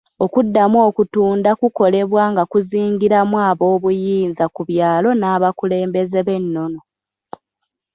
Okuddamu okutunda kukolebwa nga kuzingiramu aboobuyinza ku byalo n'abakulembeze b'ennono.